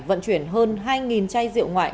vận chuyển hơn hai chai rượu ngoại